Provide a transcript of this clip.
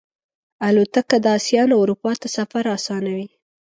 الوتکه د آسیا نه اروپا ته سفر آسانوي.